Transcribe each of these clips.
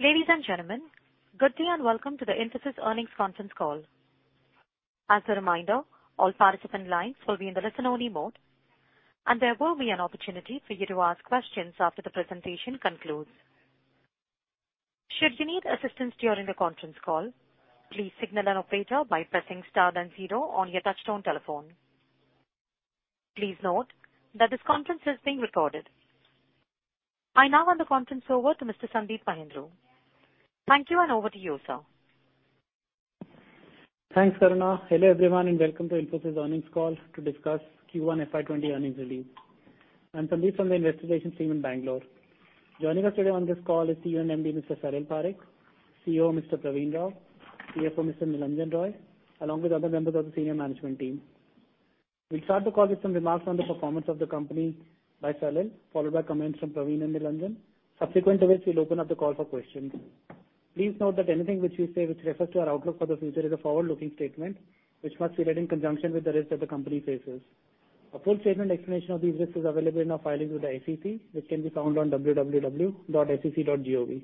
Ladies and gentlemen, good day and welcome to the Infosys earnings conference call. As a reminder, all participant lines will be in the listen only mode, and there will be an opportunity for you to ask questions after the presentation concludes. Should you need assistance during the conference call, please signal an operator by pressing star then zero on your touchtone telephone. Please note that this conference is being recorded. I now hand the conference over to Mr. Sandeep Mahindroo. Thank you, over to you, sir. Thanks, Karuna. Hello, everyone, welcome to Infosys earnings call to discuss Q1 FY2020 earnings release. I'm Sandeep from the investor relations team in Bangalore. Joining us today on this call is CEO and MD, Mr. Salil Parekh, CEO, Mr. Pravin Rao, CFO, Mr. Nilanjan Roy, along with other members of the senior management team. We'll start the call with some remarks on the performance of the company by Salil, followed by comments from Pravin and Nilanjan. Subsequent to which, we'll open up the call for questions. Please note that anything which we say which refers to our outlook for the future is a forward-looking statement, which must be read in conjunction with the risks that the company faces. A full statement explanation of these risks is available in our filings with the SEC, which can be found on www.sec.gov.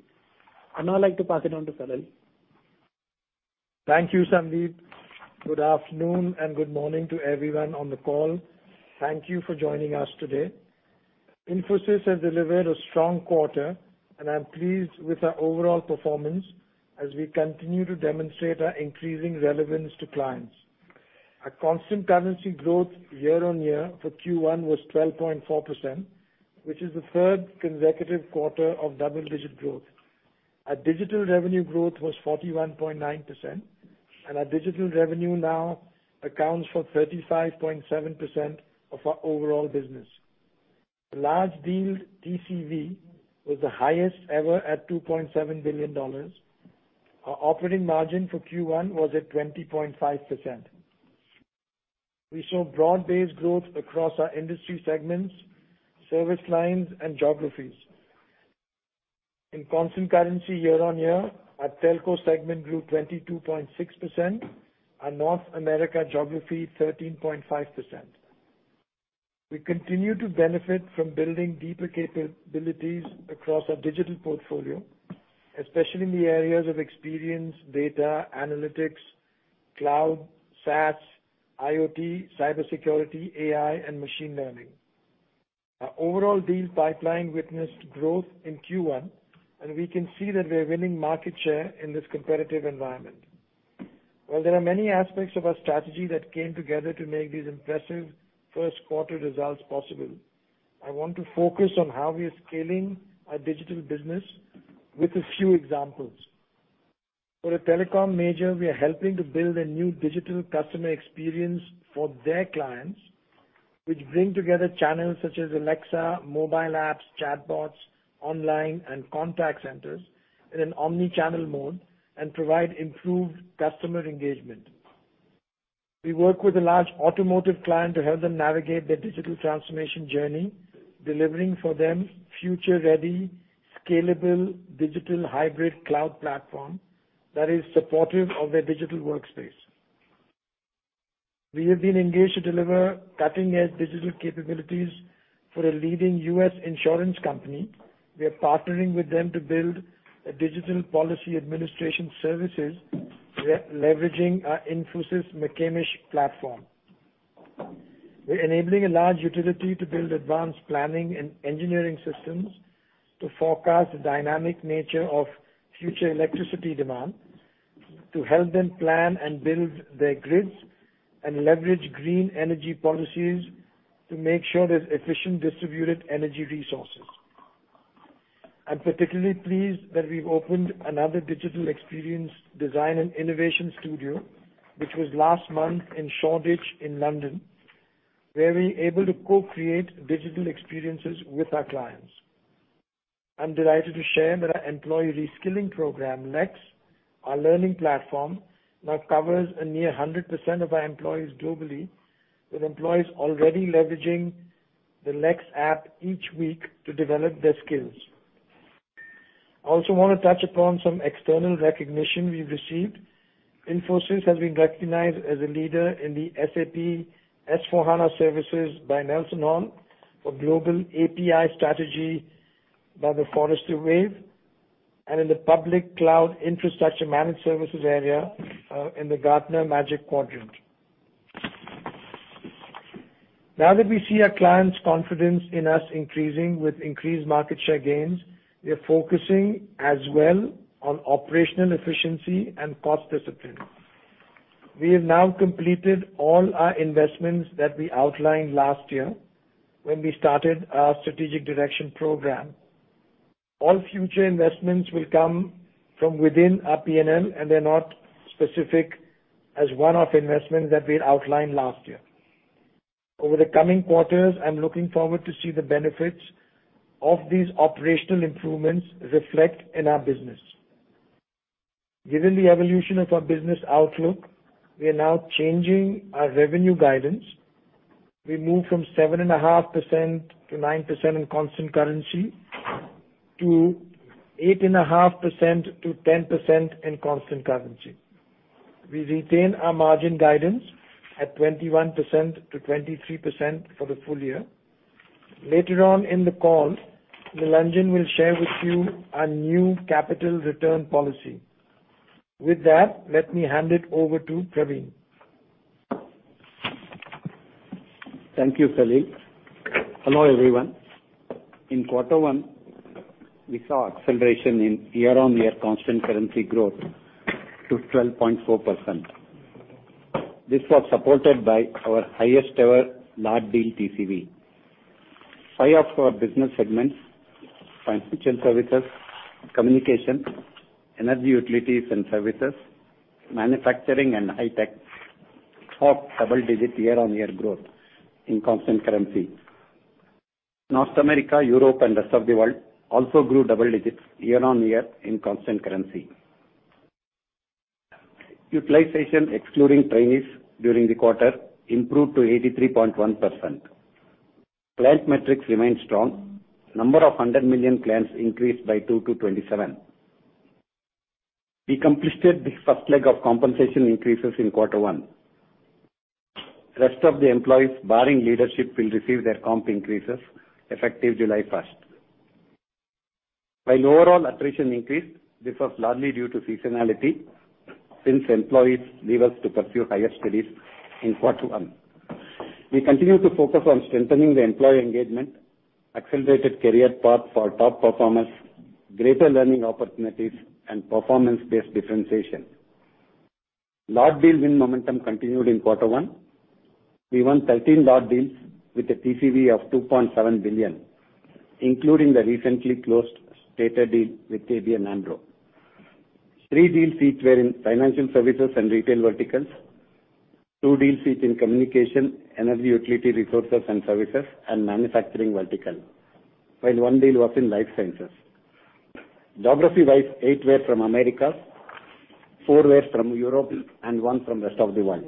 I'd now like to pass it on to Salil. Thank you, Sandeep. Good afternoon and good morning to everyone on the call. Thank you for joining us today. Infosys has delivered a strong quarter. I'm pleased with our overall performance as we continue to demonstrate our increasing relevance to clients. Our constant currency growth year-on-year for Q1 was 12.4%, which is the third consecutive quarter of double-digit growth. Our digital revenue growth was 41.9%, and our digital revenue now accounts for 35.7% of our overall business. The large deal TCV was the highest ever at $2.7 billion. Our operating margin for Q1 was at 20.5%. We saw broad-based growth across our industry segments, service lines, and geographies. In constant currency year-on-year, our Telco segment grew 22.6%, our North America geography, 13.5%. We continue to benefit from building deeper capabilities across our digital portfolio, especially in the areas of experience, data, analytics, cloud, SaaS, IoT, cybersecurity, AI, and machine learning. Our overall deals pipeline witnessed growth in Q1. We can see that we're winning market share in this competitive environment. While there are many aspects of our strategy that came together to make these impressive first quarter results possible, I want to focus on how we are scaling our digital business with a few examples. For a telecom major, we are helping to build a new digital customer experience for their clients, which bring together channels such as Alexa, mobile apps, chatbots, online, and contact centers in an omni-channel mode and provide improved customer engagement. We work with a large automotive client to help them navigate their digital transformation journey, delivering for them future-ready, scalable digital hybrid cloud platform that is supportive of their digital workspace. We have been engaged to deliver cutting-edge digital capabilities for a leading U.S. insurance company. We are partnering with them to build a digital policy administration services, leveraging our Infosys McCamish platform. We are enabling a large utility to build advanced planning and engineering systems to forecast the dynamic nature of future electricity demand to help them plan and build their grids and leverage green energy policies to make sure there is efficient distributed energy resources. I am particularly pleased that we have opened another digital experience design and innovation studio, which was last month in Shoreditch in London, where we are able to co-create digital experiences with our clients. I am delighted to share that our employee reskilling program, LeX, our learning platform, now covers a near 100% of our employees globally, with employees already leveraging the LeX app each week to develop their skills. I also want to touch upon some external recognition we have received. Infosys has been recognized as a leader in the SAP S/4HANA services by NelsonHall, for global API strategy by The Forrester Wave, and in the Public Cloud Infrastructure Managed Services area, in the Gartner Magic Quadrant. Now that we see our clients' confidence in us increasing with increased market share gains, we are focusing as well on operational efficiency and cost discipline. We have now completed all our investments that we outlined last year when we started our strategic direction program. All future investments will come from within our P&L, and they are not specific as one-off investments that we had outlined last year. Over the coming quarters, I am looking forward to see the benefits of these operational improvements reflect in our business. Given the evolution of our business outlook, we are now changing our revenue guidance. We move from [7.5%-9.5%] in constant currency, to 8.5%-10% in constant currency. We retain our margin guidance at 21%-23% for the full year. Later on in the call, Nilanjan will share with you our new capital return policy. With that, let me hand it over to Pravin. Thank you, Salil. Hello, everyone. In quarter one, we saw acceleration in year-on-year constant currency growth to 12.4%. This was supported by our highest-ever large deal TCV. Five of our business segments, Financial Services, Communication, Energy Utilities & Services, Manufacturing, and Hi-Tech have double-digit year-on-year growth in constant currency. North America, Europe, and rest of the world also grew double digits year-on-year in constant currency. Utilization excluding trainees during the quarter improved to 83.1%. Client metrics remain strong. Number of 100 million clients increased by two to 27. We completed the first leg of compensation increases in quarter one. While overall attrition increased, this was largely due to seasonality since employees leave us to pursue higher studies in quarter one. We continue to focus on strengthening the employee engagement, accelerated career path for top performers, greater learning opportunities, and performance-based differentiation. Large deal win momentum continued in quarter one. We won 13 large deals with a TCV of $2.7 billion, including the recently closed Stater deal with ABN AMRO. Three deal each were in Financial Services and retail verticals, two deal each in Communication, Energy Utility Resources & Services, and Manufacturing vertical, while one deal was in Life Sciences. Geography-wise, eight were from Americas, four were from Europe, and one from rest of the world.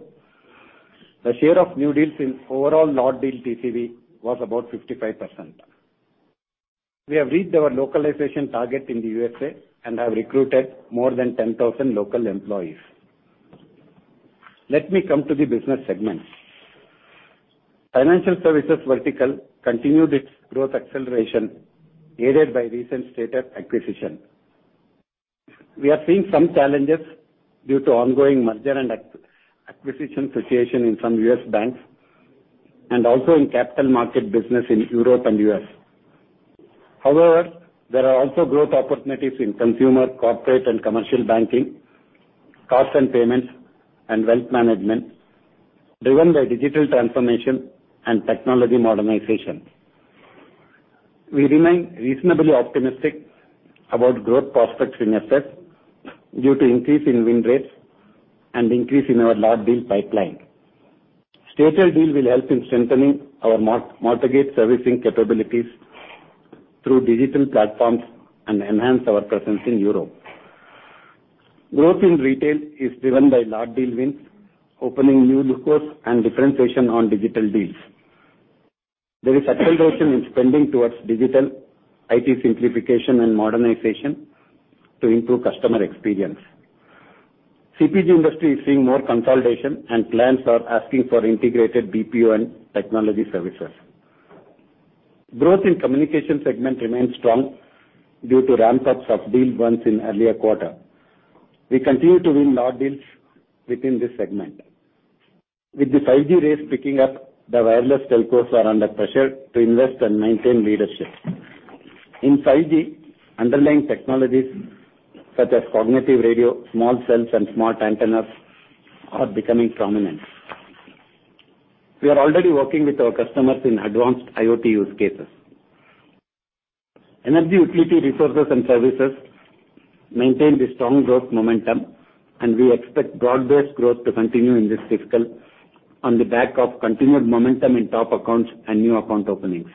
The share of new deals in overall large deal TCV was about 55%. We have reached our localization target in the U.S.A. and have recruited more than 10,000 local employees. Let me come to the business segments. Financial services vertical continued its growth acceleration, aided by recent Stater acquisition. We are seeing some challenges due to ongoing merger and acquisition situation in some U.S. banks and also in capital market business in Europe and U.S. However, there are also growth opportunities in consumer, corporate, and commercial banking, cards and payments, and wealth management driven by digital transformation and technology modernization. We remain reasonably optimistic about growth prospects in assets due to increase in win rates and increase in our large deal pipeline. Stater deal will help in strengthening our mortgage servicing capabilities through digital platforms and enhance our presence in Europe. Growth in retail is driven by large deal wins, opening new logos and differentiation on digital deals. There is acceleration in spending towards digital IT simplification and modernization to improve customer experience. CPG industry is seeing more consolidation, and clients are asking for integrated BPO and technology services. Growth in communication segment remains strong due to ramp-ups of deal wins in earlier quarter. We continue to win large deals within this segment. With the 5G race picking up, the wireless telcos are under pressure to invest and maintain leadership. In 5G, underlying technologies such as cognitive radio, small cells, and smart antennas are becoming prominent. We are already working with our customers in advanced IoT use cases. Energy Utility Resources & Services maintain the strong growth momentum, and we expect broad-based growth to continue in this fiscal on the back of continued momentum in top accounts and new account openings.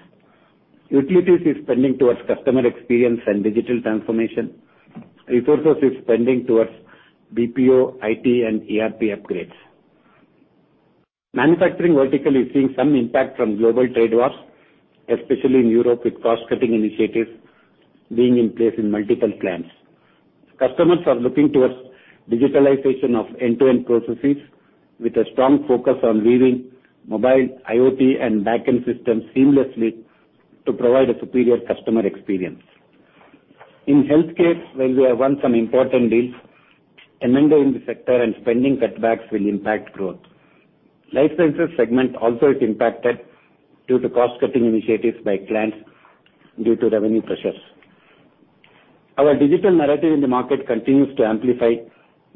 Utilities is spending towards customer experience and digital transformation. Resources is spending towards BPO, IT, and ERP upgrades. Manufacturing vertical is seeing some impact from global trade wars, especially in Europe, with cost-cutting initiatives being in place in multiple plants. Customers are looking towards digitalization of end-to-end processes with a strong focus on weaving mobile, IoT, and back-end systems seamlessly to provide a superior customer experience. In Healthcare, while we have won some important deals, amendment in the sector and spending cutbacks will impact growth. Life Sciences segment also is impacted due to cost-cutting initiatives by clients due to revenue pressures. Our digital narrative in the market continues to amplify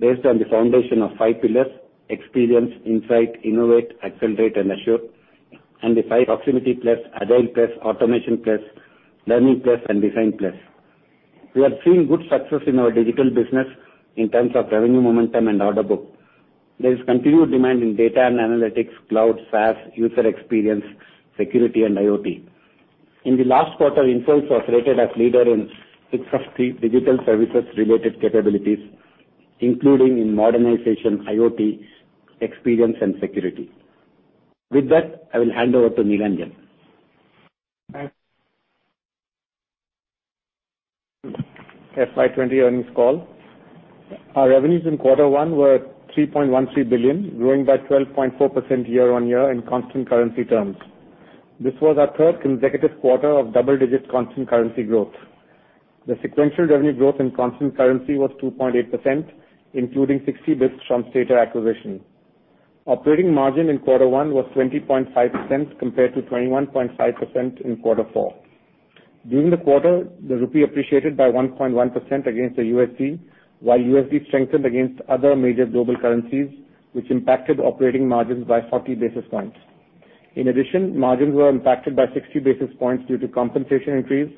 based on the foundation of five pillars: Experience, Insight, Innovate, Accelerate, and Assure, and the five Proximity+, Agile+, Automation+, Learning+, and Design+. We are seeing good success in our digital business in terms of revenue momentum and order book. There is continued demand in data and analytics, cloud, SaaS, user experience, security, and IoT. In the last quarter, Infosys was rated as leader in six of the digital services-related capabilities, including in Modernization, IoT, Experience, and Security. With that, I will hand over to Nilanjan. FY2020 earnings call. Our revenues in quarter one were $3.13 billion, growing by 12.4% year-on-year in constant currency terms. This was our third consecutive quarter of double-digit constant currency growth. The sequential revenue growth in constant currency was 2.8%, including 60 basis points from Stater acquisition. Operating margin in quarter one was 20.5% compared to 21.5% in quarter four. During the quarter, the rupee appreciated by 1.1% against the USD, while USD strengthened against other major global currencies, which impacted operating margins by 40 basis points. In addition, margins were impacted by 60 basis points due to compensation increase,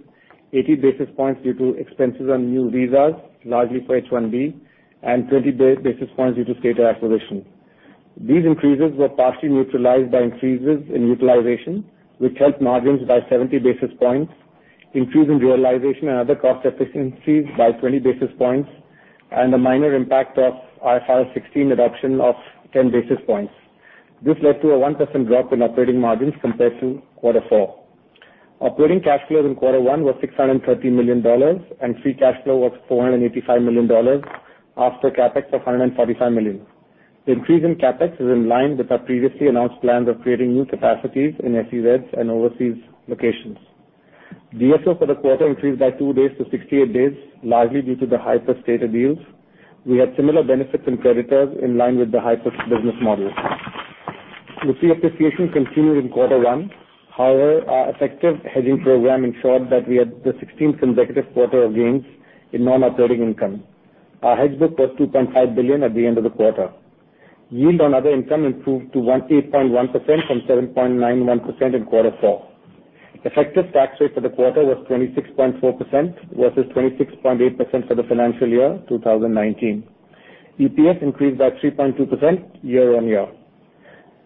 80 basis points due to expenses on new visas, largely for H-1B, and 20 basis points due to Stater acquisition. These increases were partially neutralized by increases in utilization, which helped margins by 70 basis points, increase in realization and other cost efficiencies by 20 basis points, and a minor impact of IFRS 16 adoption of 10 basis points. This led to a 1% drop in operating margins compared to quarter four. Operating cash flows in quarter one was $630 million, and free cash flow was $485 million, after CapEx of $145 million. The increase in CapEx is in line with our previously announced plans of creating new capacities in SEZs and overseas locations. DSO for the quarter increased by two days to 68 days, largely due to the hyperscaler deals. We had similar benefits in creditors in line with the hyperscaler business model. Rupee appreciation continued in quarter one. Our effective hedging program ensured that we had the 16th consecutive quarter of gains in non-operating income. Our hedge book was $2.5 billion at the end of the quarter. Yield on other income improved to 8.1% from 7.91% in quarter four. Effective tax rate for the quarter was 26.4% versus 26.8% for the financial year 2019. EPS increased by 3.2% year-on-year.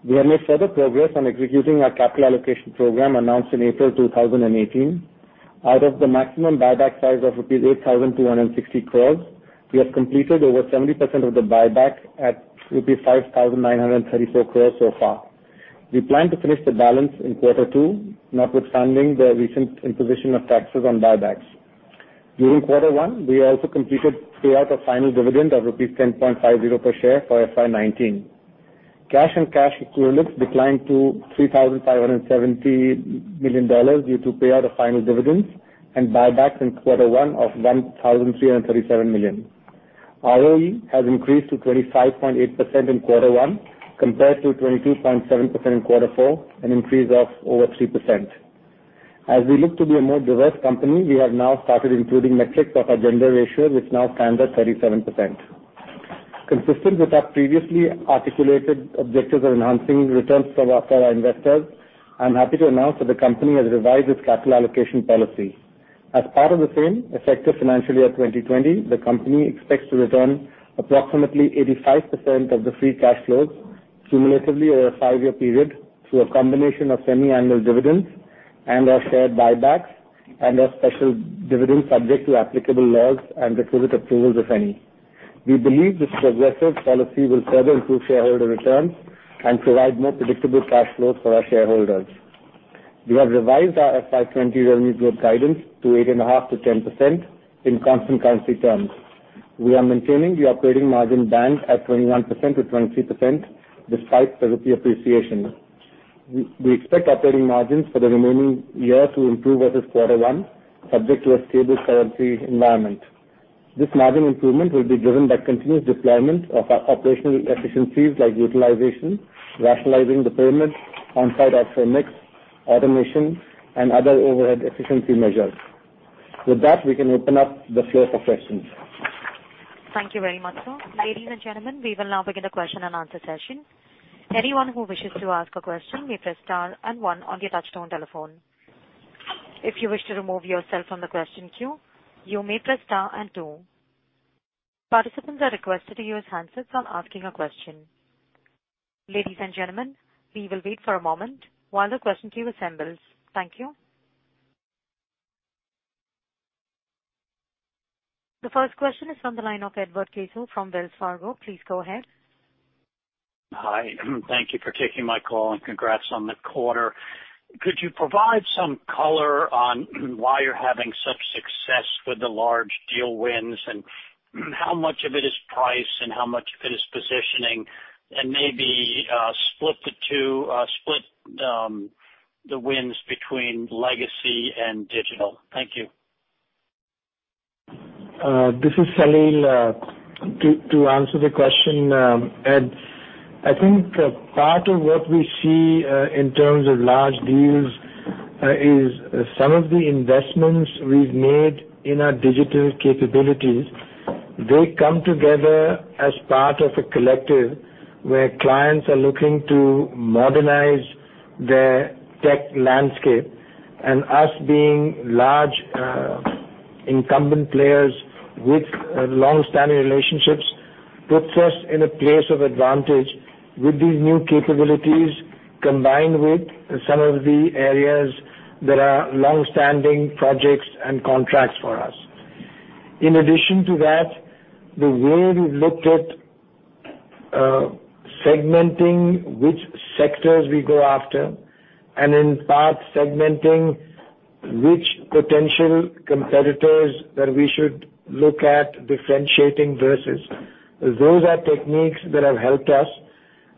We have made further progress on executing our capital allocation program announced in April 2018. Out of the maximum buyback size of rupees 8,260 crores, we have completed over 70% of the buyback at rupees 5,934 crores so far. We plan to finish the balance in quarter two, notwithstanding the recent imposition of taxes on buybacks. During quarter one, we also completed payout of final dividend of rupees 10.50 per share for FY2019. Cash and cash equivalents declined to $3,570 million due to payout of final dividends and buybacks in quarter one of $1,337 million. ROE has increased to 25.8% in quarter one compared to 22.7% in quarter four, an increase of over 3%. As we look to be a more diverse company, we have now started including metrics of our gender ratio, which now stands at 37%. Consistent with our previously articulated objectives of enhancing returns for our investors, I'm happy to announce that the company has revised its capital allocation policy. As part of the same, effective financial year 2020, the company expects to return approximately 85% of the free cash flows cumulatively over a five-year period through a combination of semi-annual dividends and/or share buybacks and/or special dividends subject to applicable laws and requisite approvals, if any. We believe this progressive policy will further improve shareholder returns and provide more predictable cash flows for our shareholders. We have revised our FY2020 revenue growth guidance to 8.5%-10% in constant currency terms. We are maintaining the operating margin band at 21%-23% despite rupee appreciation. We expect operating margins for the remaining year to improve versus quarter one, subject to a stable currency environment. This margin improvement will be driven by continuous deployment of our operational efficiencies like utilization, rationalizing the pyramid, onsite offshore mix, automation, and other overhead efficiency measures. With that, we can open up the floor for questions. Thank you very much, sir. Ladies and gentlemen, we will now begin the question and answer session. Anyone who wishes to ask a question may press star and one on your touchtone telephone. If you wish to remove yourself from the question queue, you may press star and two. Participants are requested to use handsets when asking a question. Ladies and gentlemen, we will wait for a moment while the question queue assembles. Thank you. The first question is from the line of Edward Caso from Wells Fargo. Please go ahead. Hi. Thank you for taking my call, and congrats on the quarter. Could you provide some color on why you're having such success with the large deal wins, and how much of it is price and how much of it is positioning, and maybe split the wins between legacy and digital? Thank you. This is Salil. To answer the question, Ed, I think part of what we see, in terms of large deals, is some of the investments we've made in our digital capabilities. They come together as part of a collective where clients are looking to modernize their tech landscape and us being large incumbent players with longstanding relationships puts us in a place of advantage with these new capabilities, combined with some of the areas that are longstanding projects and contracts for us. In addition to that, the way we've looked at Segmenting which sectors we go after, and in part segmenting which potential competitors that we should look at differentiating versus. Those are techniques that have helped us.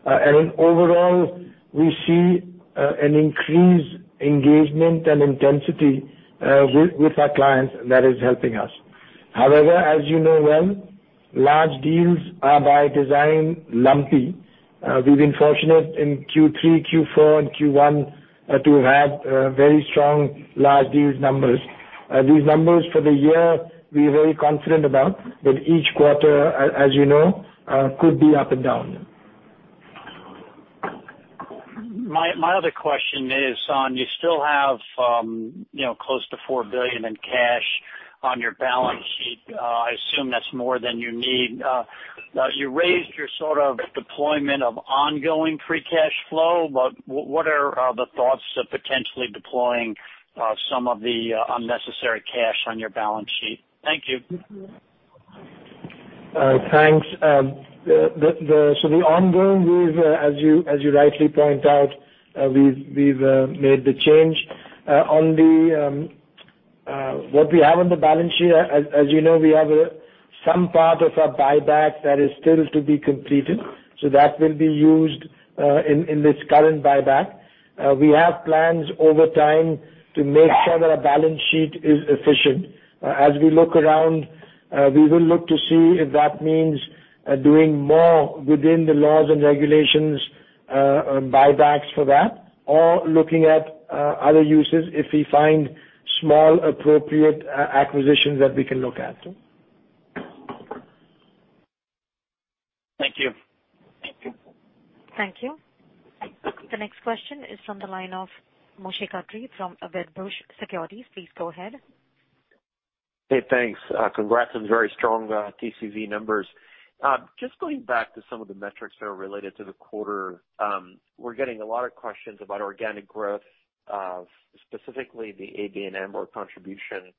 In overall, we see an increased engagement and intensity with our clients that is helping us. However, as you know well, large deals are by design lumpy. We've been fortunate in Q3, Q4, and Q1 to have had very strong large deals numbers. These numbers for the year we are very confident about, but each quarter, as you know, could be up and down. My other question is, [Salil], you still have close to 4 billion in cash on your balance sheet. I assume that's more than you need. You raised your sort of deployment of ongoing free cash flow, but what are the thoughts of potentially deploying some of the unnecessary cash on your balance sheet? Thank you. Thanks. The ongoing, as you rightly point out, we've made the change. On what we have on the balance sheet, as you know, we have some part of our buyback that is still to be completed. That will be used in this current buyback. We have plans over time to make sure that our balance sheet is efficient. As we look around, we will look to see if that means doing more within the laws and regulations on buybacks for that, or looking at other uses if we find small, appropriate acquisitions that we can look at. Thank you. Thank you. The next question is from the line of Moshe Katri from Wedbush Securities. Please go ahead. Hey, thanks. Congrats on the very strong TCV numbers. Just going back to some of the metrics that are related to the quarter. We're getting a lot of questions about organic growth, specifically the [ABN AMRO] or contribution,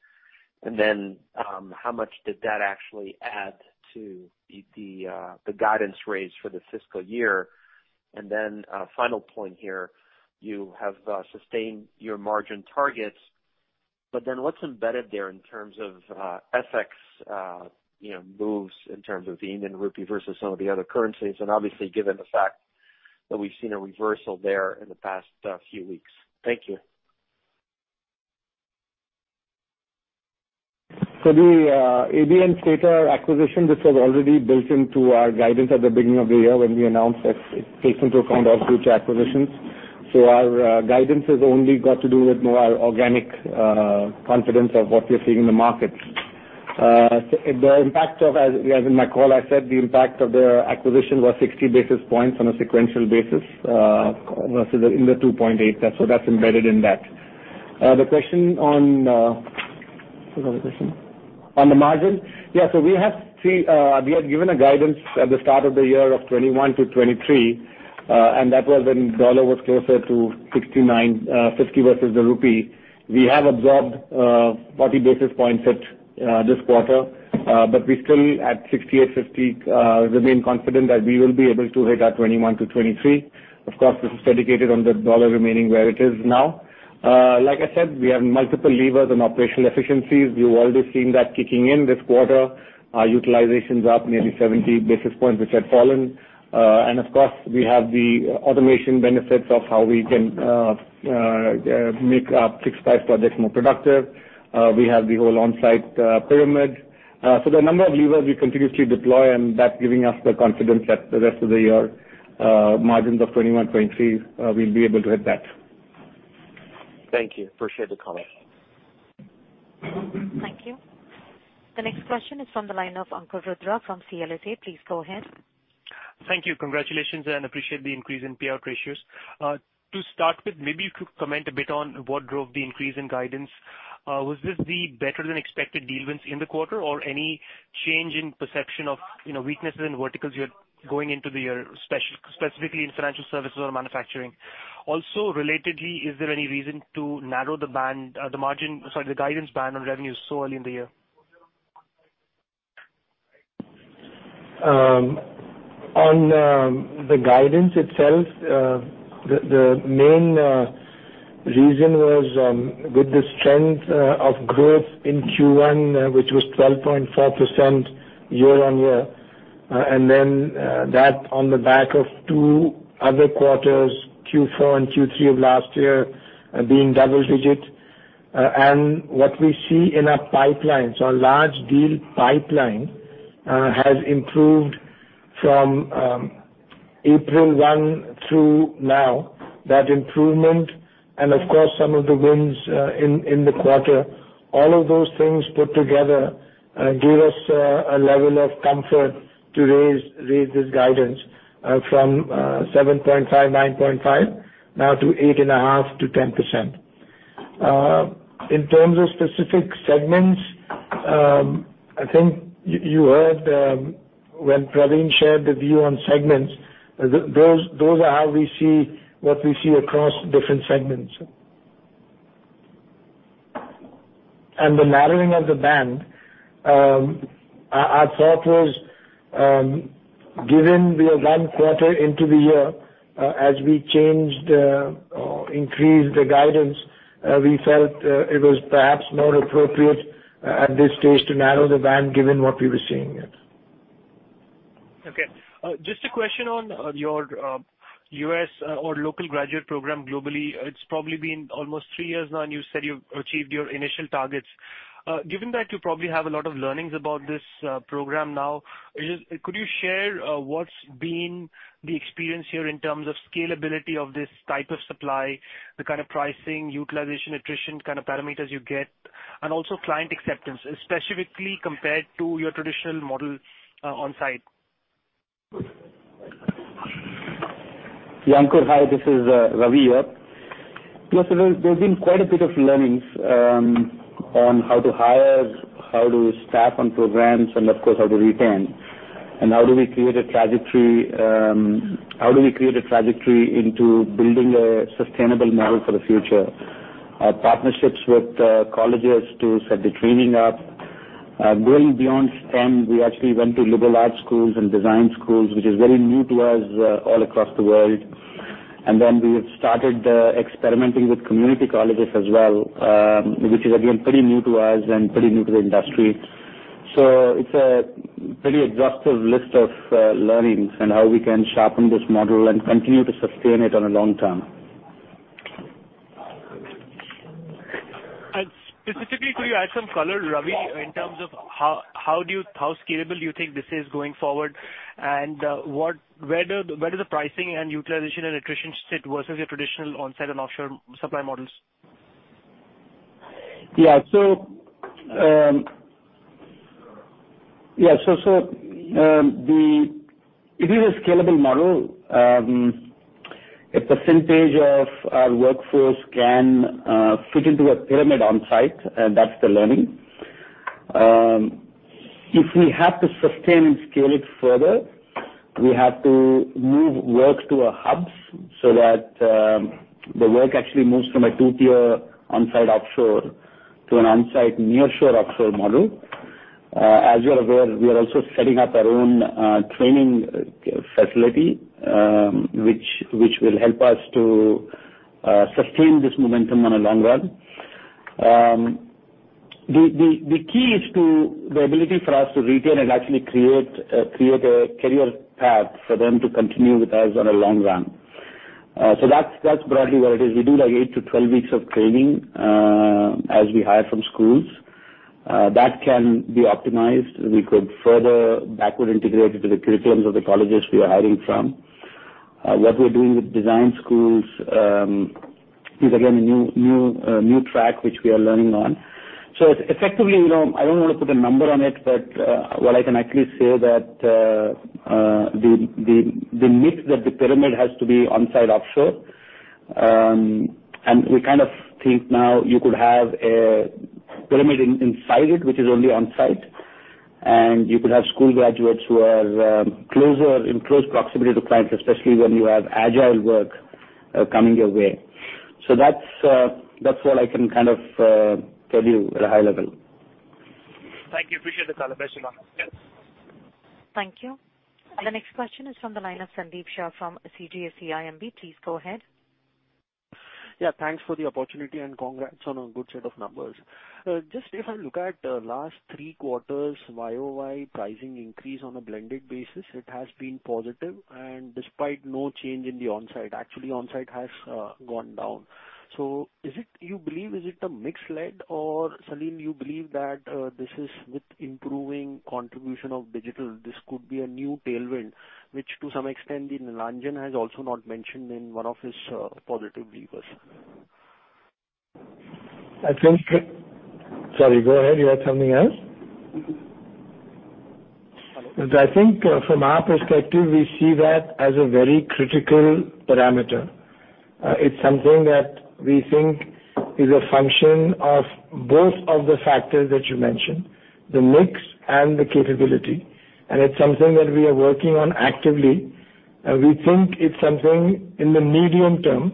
how much did that actually add to the guidance raise for the fiscal year. Final point here, you have sustained your margin targets, what's embedded there in terms of FX moves in terms of the Indian rupee versus some of the other currencies, and obviously given the fact that we've seen a reversal there in the past few weeks. Thank you. For the ABN Stater acquisition, this was already built into our guidance at the beginning of the year when we announced that it takes into account our future acquisitions. Our guidance has only got to do with more organic confidence of what we are seeing in the market. As in my call, I said, the impact of their acquisition was 60 basis points on a sequential basis versus in the 2.8%. That's embedded in that. The other question. On the margin? Yeah. We had given a guidance at the start of the year of 21%-23%, and that was when USD was closer to 69.50 versus the rupee. We have absorbed 40 basis points this quarter. We still, at 68.50, remain confident that we will be able to hit that 21%-23%. Of course, this is dedicated on the dollar remaining where it is now. Like I said, we have multiple levers on operational efficiencies. You've already seen that kicking in this quarter. Our utilization's up nearly 70 basis points, which had fallen. Of course, we have the automation benefits of how we can make our fixed price projects more productive. We have the whole on-site pyramid. There are a number of levers we continuously deploy, and that's giving us the confidence that the rest of the year, margins of 21%-23%, we'll be able to hit that. Thank you. Appreciate the comment. Thank you. The next question is from the line of Ankur Rudra from CLSA. Please go ahead. Thank you. Congratulations. Appreciate the increase in payout ratios. To start with, maybe you could comment a bit on what drove the increase in guidance. Was this the better-than-expected deal wins in the quarter or any change in perception of weaknesses in verticals you had going into the year, specifically in Financial Services or Manufacturing? Relatedly, is there any reason to narrow the guidance band on revenues so early in the year? On the guidance itself, the main reason was with the strength of growth in Q1, which was 12.4% year-over-year. That on the back of two other quarters, Q4 and Q3 of last year being double-digit. What we see in our pipeline. Our large deal pipeline has improved from April 1 through now. That improvement and of course, some of the wins in the quarter, all of those things put together give us a level of comfort to raise this guidance from 7.5%-9.5% now to 8.5%-10%. In terms of specific segments, I think you heard when Pravin shared the view on segments, those are what we see across different segments. The narrowing of the band, our thought was, given we are one quarter into the year, as we increased the guidance, we felt it was perhaps more appropriate at this stage to narrow the band given what we were seeing it. Okay. Just a question on your U.S. or local graduate program globally. It's probably been almost three years now, and you said you've achieved your initial targets. Given that you probably have a lot of learnings about this program now, could you share what's been the experience here in terms of scalability of this type of supply, the kind of pricing, utilization, attrition kind of parameters you get, and also client acceptance, specifically compared to your traditional model onsite? Ankur, hi. This is Ravi here. Yes, there's been quite a bit of learnings on how to hire, how to staff on programs, and of course, how to retain. How do we create a trajectory into building a sustainable model for the future. Our partnerships with colleges to set the training up. Going beyond STEM, we actually went to liberal arts schools and design schools, which is very new to us all across the world. We have started experimenting with community colleges as well, which is again, pretty new to us and pretty new to the industry. It's a pretty exhaustive list of learnings on how we can sharpen this model and continue to sustain it on a long-term. Could you add some color, Ravi, in terms of how scalable you think this is going forward, and where does the pricing and utilization and attrition sit versus your traditional on-site and offshore supply models? Yeah. It is a scalable model. A percentage of our workforce can fit into a pyramid on-site. That's the learning. If we have to sustain and scale it further, we have to move work to our hubs so that the work actually moves from a two-tier on-site offshore to an on-site nearshore offshore model. As you are aware, we are also setting up our own training facility, which will help us to sustain this momentum on a long run. The key is the ability for us to retain and actually create a career path for them to continue with us on a long run. That's broadly what it is. We do 8-12 weeks of training as we hire from schools. That can be optimized. We could further backward integrate into the curriculums of the colleges we are hiring from. What we're doing with design schools, is again, a new track which we are learning on. Effectively, I don't want to put a number on it, but what I can actually say that the myth that the pyramid has to be on-site offshore. We kind of think now you could have a pyramid inside it, which is only on-site, and you could have school graduates who are in close proximity to clients, especially when you have agile work coming your way. That's what I can kind of tell you at a high level. Thank you. Appreciate the color. Best of luck. Thank you. The next question is from the line of Sandeep Shah from CGS-CIMB. Please go ahead. Thanks for the opportunity, congrats on a good set of numbers. Just if I look at last three quarters YoY pricing increase on a blended basis, it has been positive. Despite no change in the on-site. Actually, on-site has gone down. Do you believe is it a mix-led, or, Salil, you believe that this is with improving contribution of digital, this could be a new tailwind, which to some extent, Nilanjan has also not mentioned in one of his positive levers. From our perspective, we see that as a very critical parameter. It's something that we think is a function of both of the factors that you mentioned, the mix and the capability. It's something that we are working on actively. We think it's something in the medium term,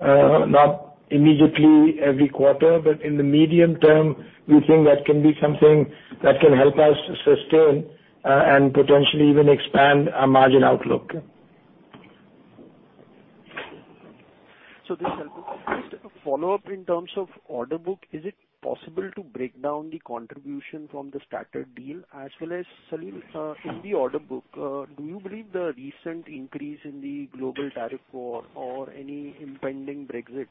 not immediately every quarter, but in the medium term, we think that can be something that can help us sustain and potentially even expand our margin outlook. This helps. Just a follow-up in terms of order book. Is it possible to break down the contribution from the Stater deal as well as, Salil, in the order book, do you believe the recent increase in the global tariff war or any impending Brexit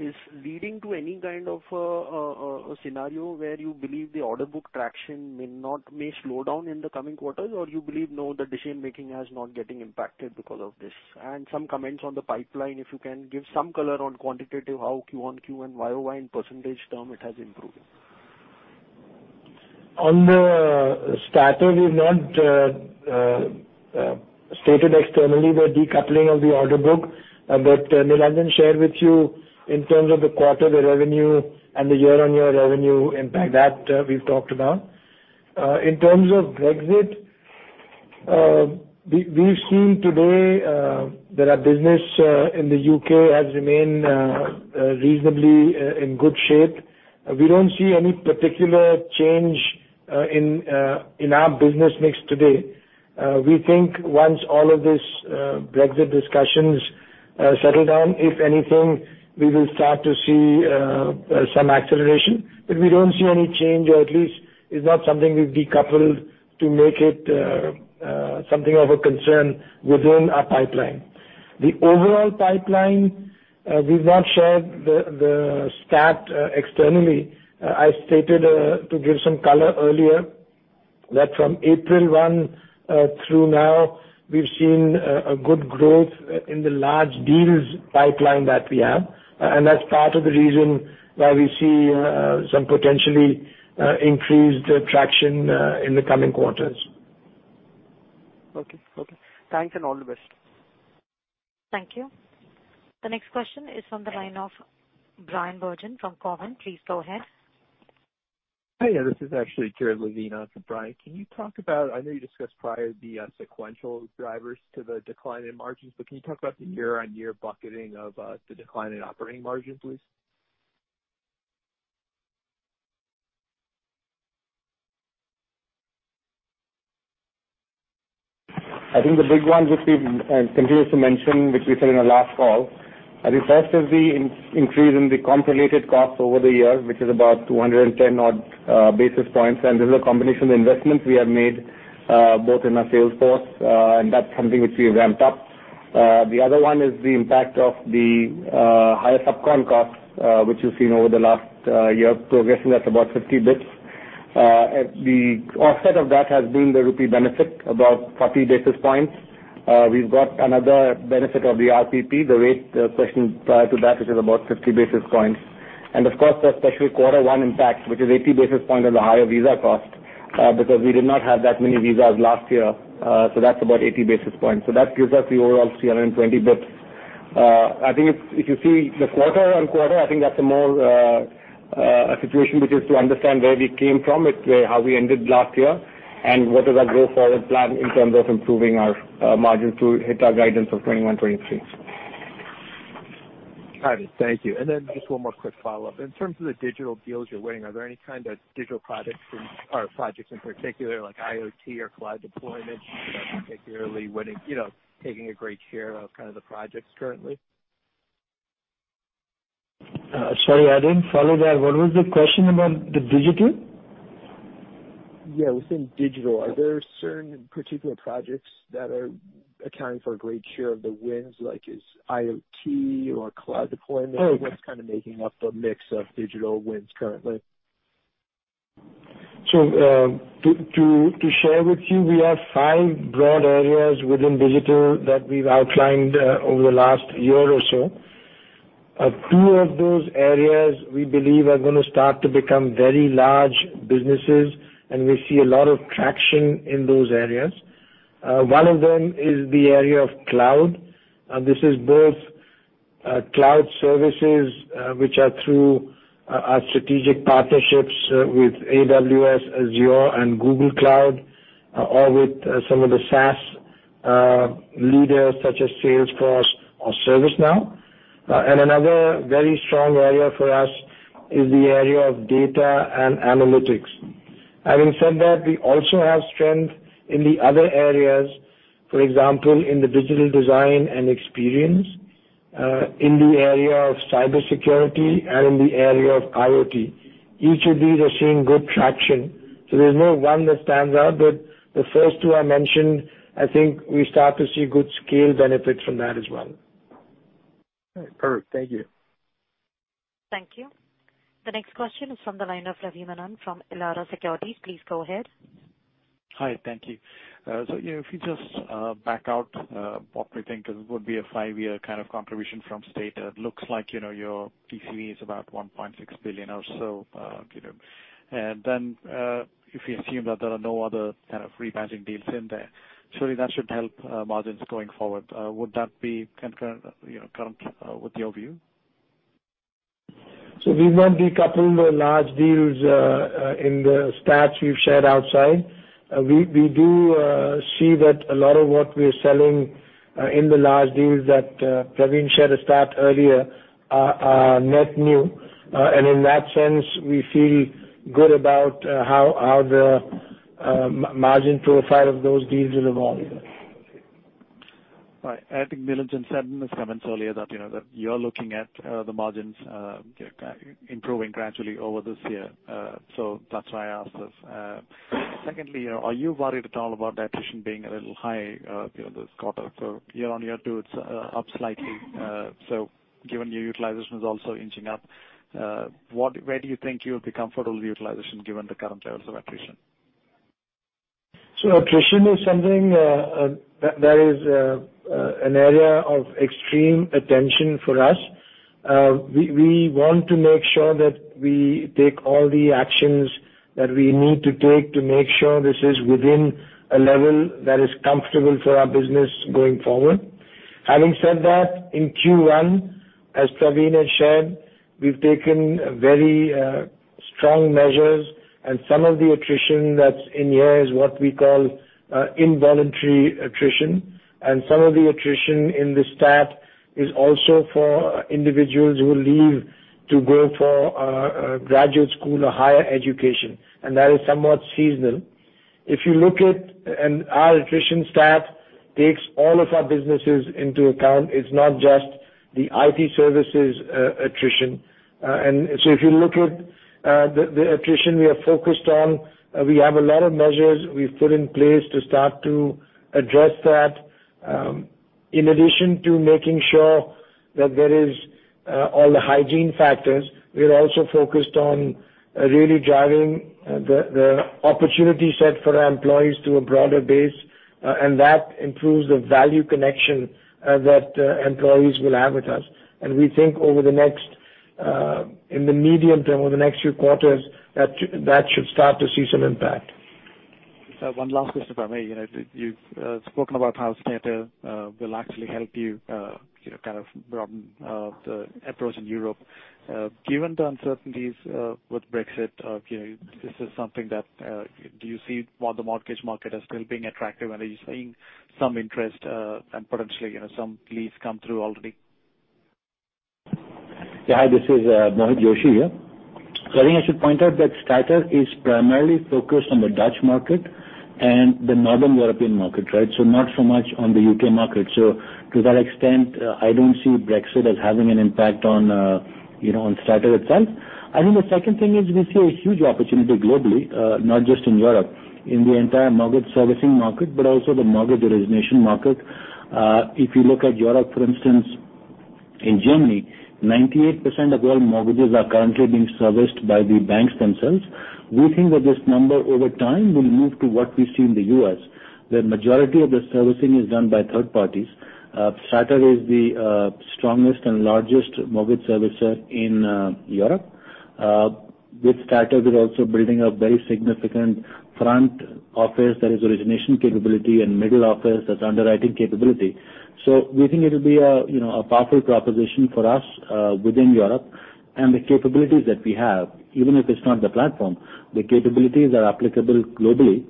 is leading to any kind of a scenario where you believe the order book traction may slow down in the coming quarters? You believe, no, the decision-making has not getting impacted because of this? Some comments on the pipeline, if you can give some color on quantitative, how quarter-over-quarter and YoY in percentage term it has improved. On the Stater, we've not stated externally the decoupling of the order book. Nilanjan shared with you in terms of the quarter, the revenue, and the year-on-year revenue impact. That, we've talked about. In terms of Brexit, we've seen today that our business in the U.K. has remained reasonably in good shape. We don't see any particular change in our business mix today. We think once all of these Brexit discussions settle down, if anything, we will start to see some acceleration. We don't see any change, or at least it's not something we've decoupled to make it something of a concern within our pipeline. The overall pipeline, we've not shared the stat externally. I stated to give some color earlier, that from April one through now, we've seen a good growth in the large deals pipeline that we have. That's part of the reason why we see some potentially increased traction in the coming quarters. Okay. Thanks, and all the best. Thank you. The next question is from the line of Bryan Bergin from Cowen. Please go ahead. Hi, this is actually Jared Levine for Bryan. I know you discussed prior the sequential drivers to the decline in margins, but can you talk about the year-on-year bucketing of the decline in operating margin, please? I think the big ones which we continue to mention, which we said in our last call. I think first is the increase in the comp-related costs over the years, which is about 210-odd basis points. This is a combination of investments we have made both in our Salesforce, and that's something which we ramped up. The other one is the impact of the higher subcon costs, which you've seen over the last year progressing. That's about 50 basis points. The offset of that has been the rupee benefit, about 40 basis points. We've got another benefit of the RPP, the rate question prior to that, which is about 50 basis points. Of course, the special quarter one impact, which is 80 basis points on the higher visa cost, because we did not have that many visas last year. That's about 80 basis points. That gives us the overall 320 basis points. I think if you see the quarter-on-quarter, I think that's a more situation which is to understand where we came from, how we ended last year, and what is our go forward plan in terms of improving our margin to hit our guidance of 21%-23%. Got it. Thank you. Just one more quick follow-up. In terms of the digital deals you're winning, are there any kind of digital products or projects in particular, like IoT or cloud deployments, that are particularly taking a great share of the projects currently? Sorry, I didn't follow that. What was the question about the digital? Yeah, within digital, are there certain particular projects that are accounting for a great share of the wins, like is IoT or cloud deployment? Oh, okay. What's kind of making up the mix of digital wins currently? To share with you, we have five broad areas within digital that we've outlined over the last year or so. Two of those areas we believe are going to start to become very large businesses, and we see a lot of traction in those areas. One of them is the area of Cloud. This is both cloud services, which are through our strategic partnerships with AWS, Azure, and Google Cloud or with some of the SaaS leaders such as Salesforce or ServiceNow. Another very strong area for us is the area of data and analytics. Having said that, we also have strength in the other areas. For example, in the digital design and experience, in the area of cybersecurity, and in the area of IoT. Each of these are seeing good traction. There's no one that stands out, but the first two I mentioned, I think we start to see good scale benefits from that as well. All right. Perfect. Thank you. Thank you. The next question is from the line of Ravi Menon from Elara Securities. Please go ahead. Hi. Thank you. If you just back out what we think would be a five-year kind of contribution from Stater, it looks like your TCV is about 1.6 billion or so. If we assume that there are no other kind of re-badging deals in there, surely that should help margins going forward. Would that be concurrent with your view? We've not decoupled the large deals in the stats we've shared outside. We do see that a lot of what we're selling in the large deals that Pravin shared a stat earlier are net new. In that sense, we feel good about how the margin profile of those deals will evolve. Right. I think Nilanjan had said in his comments earlier that you're looking at the margins improving gradually over this year. That's why I asked this. Secondly, are you worried at all about attrition being a little high this quarter? Year-on-year too, it's up slightly. Given your utilization is also inching up, where do you think you'll be comfortable with utilization given the current levels of attrition? Attrition is something that is an area of extreme attention for us. We want to make sure that we take all the actions that we need to take to make sure this is within a level that is comfortable for our business going forward. Having said that, in Q1, as Pravin has shared, we've taken very strong measures and some of the attrition that's in here is what we call involuntary attrition. Some of the attrition in the stat is also for individuals who leave to go for graduate school or higher education, and that is somewhat seasonal. If you look at our attrition stat takes all of our businesses into account. It's not just the IT services attrition. If you look at the attrition we are focused on, we have a lot of measures we've put in place to start to address that. In addition to making sure that there is all the hygiene factors, we are also focused on really driving the opportunity set for our employees to a broader base, and that improves the value connection that employees will have with us. We think in the medium term, over the next few quarters, that should start to see some impact. One last question from me. You've spoken about how Stater will actually help you from the efforts in Europe. Given the uncertainties with Brexit, this is something that do you see what the mortgage market as still being attractive and are you seeing some interest and potentially some leads come through already? Yeah. Hi, this is Mohit Joshi here. I think I should point out that Stater is primarily focused on the Dutch market and the Northern European market, right? Not so much on the U.K. market. To that extent, I don't see Brexit as having an impact on Stater itself. I think the second thing is we see a huge opportunity globally, not just in Europe, in the entire mortgage servicing market, but also the mortgage origination market. If you look at Europe, for instance, in Germany, 98% of all mortgages are currently being serviced by the banks themselves. We think that this number over time will move to what we see in the U.S., where majority of the servicing is done by third parties. Stater is the strongest and largest mortgage servicer in Europe. With Stater, we're also building a very significant front office that is origination capability and middle office that's underwriting capability. We think it'll be a powerful proposition for us within Europe and the capabilities that we have, even if it's not the platform, the capabilities are applicable globally.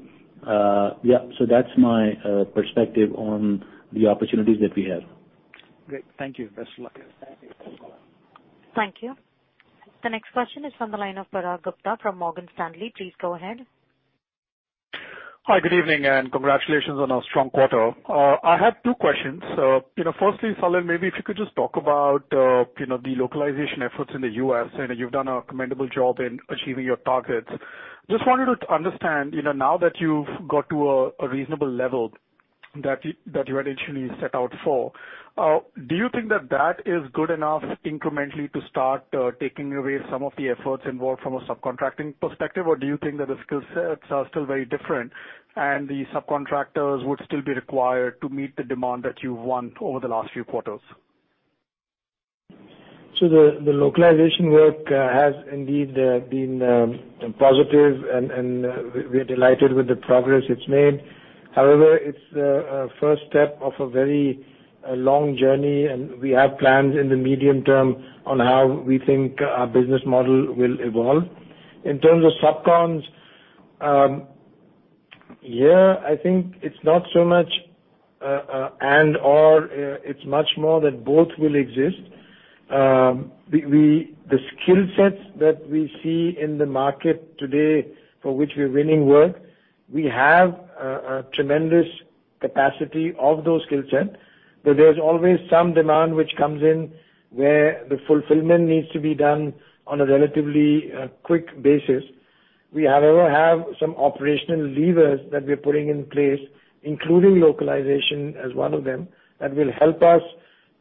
Yeah. That's my perspective on the opportunities that we have. Great. Thank you. Best luck. Thank you. The next question is from the line of Parag Gupta from Morgan Stanley. Please go ahead. Hi, good evening. Congratulations on a strong quarter. I have two questions. Firstly, Salil, maybe if you could just talk about the localization efforts in the U.S. I know you've done a commendable job in achieving your targets. Just wanted to understand, now that you've got to a reasonable level that you had initially set out for, do you think that that is good enough incrementally to start taking away some of the efforts involved from a subcontracting perspective? Or do you think that the skill sets are still very different and the subcontractors would still be required to meet the demand that you've won over the last few quarters? The localization work has indeed been positive and we're delighted with the progress it's made. However, it's a first step of a very long journey, and we have plans in the medium term on how we think our business model will evolve. In terms of subcon, yeah, I think it's not so much and/or it's much more that both will exist. The skill sets that we see in the market today for which we're winning work, we have a tremendous capacity of those skill sets, but there's always some demand which comes in where the fulfillment needs to be done on a relatively quick basis. We, however, have some operational levers that we're putting in place, including localization as one of them, that will help us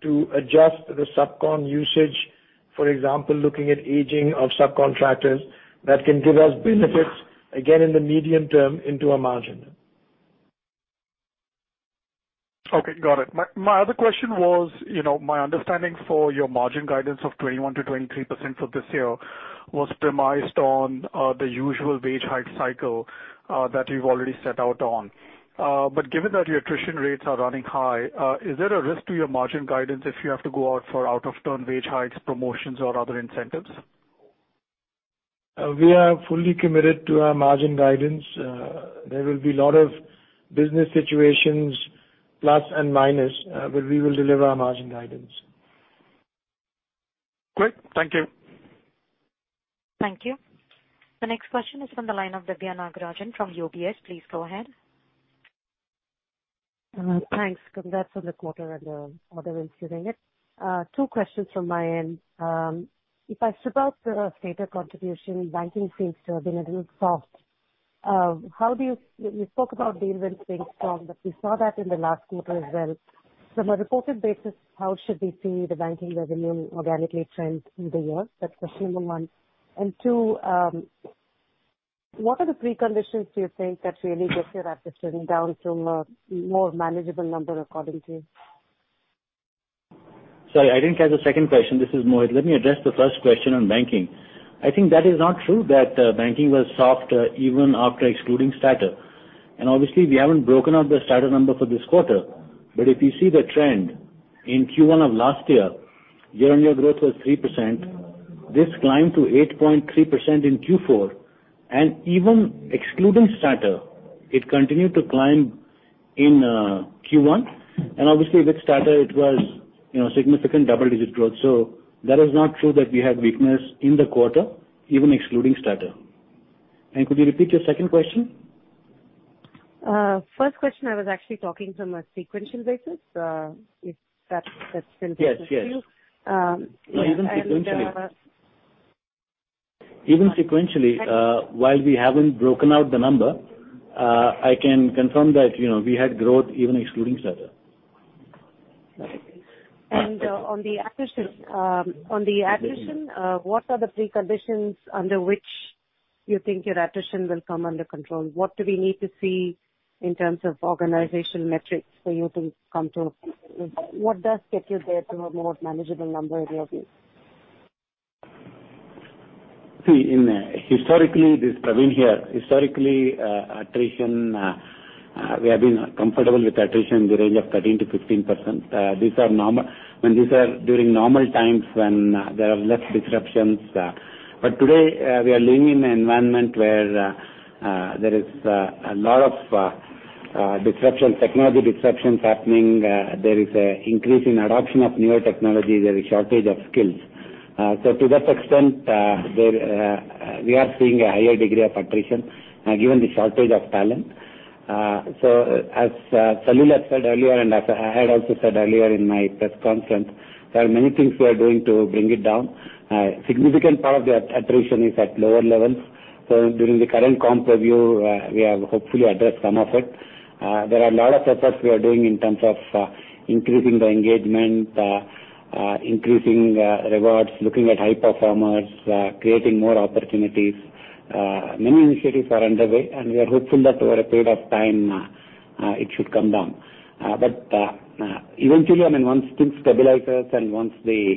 to adjust the subcon usage. For example, looking at aging of subcontractors that can give us benefits again in the medium term into our margin. Okay, got it. My other question was, my understanding for your margin guidance of 21%-23% for this year was premised on the usual wage hike cycle that you've already set out on. Given that your attrition rates are running high, is there a risk to your margin guidance if you have to go out for out of turn wage hikes, promotions, or other incentives? We are fully committed to our margin guidance. There will be lot of business situations, plus and minus, we will deliver our margin guidance. Great. Thank you. Thank you. The next question is from the line of Diviya Nagarajan from UBS. Please go ahead. Thanks. Congrats on the quarter and the order. Two questions from my end. If I strip out the Stater contribution, banking seems to have been a little soft. You spoke about deal win staying strong, but we saw that in the last quarter as well. From a reported basis, how should we see the banking revenue organically trend through the year? That's question number one. Two, what are the preconditions do you think that really get your attrition down to a more manageable number according to you? Sorry, I didn't catch the second question. This is Mohit. Let me address the first question on banking. I think that is not true that banking was soft even after excluding Stater. Obviously we haven't broken out the Stater number for this quarter. If you see the trend in Q1 of last year-on-year growth was 3%. This climbed to 8.3% in Q4, even excluding Stater, it continued to climb in Q1. Obviously with Stater it was significant double-digit growth. That is not true that we had weakness in the quarter, even excluding Stater. Could you repeat your second question? First question, I was actually talking from a sequential basis. If that makes sense to you. Yes. No, even sequentially. Even sequentially, while we haven't broken out the number, I can confirm that we had growth even excluding Stater. On the attrition, what are the preconditions under which you think your attrition will come under control? What does get you there to a more manageable number in your view? Pravin here. Historically, attrition, we have been comfortable with attrition in the range of 13%-15%. These are during normal times when there are less disruptions. Today, we are living in an environment where there is a lot of technology disruptions happening. There is an increase in adoption of newer technology. There is shortage of skills. To that extent, we are seeing a higher degree of attrition given the shortage of talent. As Salil has said earlier, and as I had also said earlier in my press conference, there are many things we are doing to bring it down. A significant part of the attrition is at lower levels. During the current comp review, we have hopefully addressed some of it. There are a lot of efforts we are doing in terms of increasing the engagement, increasing rewards, looking at high performers, creating more opportunities. Many initiatives are underway, we are hopeful that over a period of time it should come down. Eventually, once things stabilizes and once the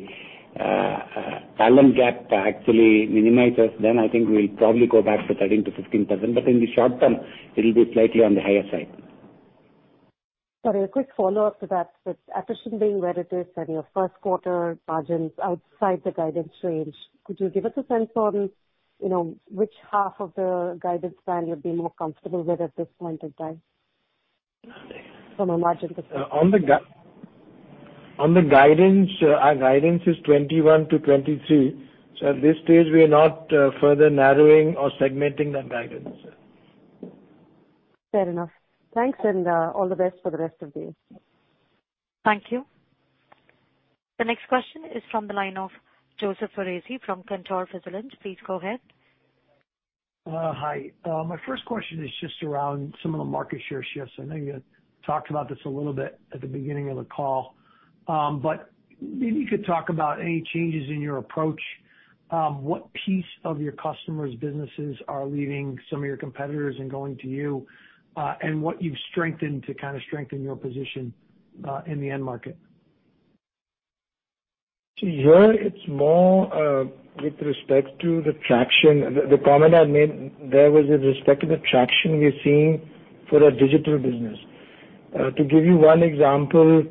talent gap actually minimizes, I think we'll probably go back to 13%-15%. In the short term, it'll be slightly on the higher side. Sorry, a quick follow-up to that. With attrition being where it is and your first quarter margins outside the guidance range, could you give us a sense on which half of the guidance band you'd be more comfortable with at this point in time? From a margin perspective. On the guidance, our guidance is 21%-23%, at this stage we are not further narrowing or segmenting that guidance. Fair enough. Thanks, all the best for the rest of the year. Thank you. The next question is from the line of Joseph Foresi from Cantor Fitzgerald. Please go ahead. Hi. My first question is just around some of the market share shifts. I know you had talked about this a little bit at the beginning of the call. Maybe you could talk about any changes in your approach. What piece of your customers' businesses are leaving some of your competitors and going to you, and what you've strengthened to kind of strengthen your position, in the end market? See, here it's more with respect to the traction. The comment I made there was with respect to the traction we're seeing for our digital business. To give you one example,